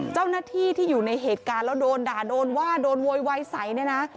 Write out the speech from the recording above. เจ้าหน้าที่ที่อยู่ในเหตุการณ์แล้วโดนด่าโดนว่าโดนโวยวายใสเนี่ยนะ